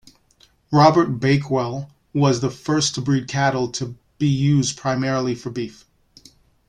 Robert Bakewell was the first to breed cattle to be used primarily for beef.